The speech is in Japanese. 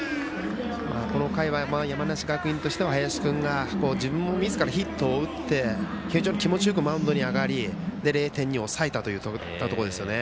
この回は山梨学院としては林君が自分もみずからヒットを打って気持ちよくマウンドに上がり０点に抑えましたね。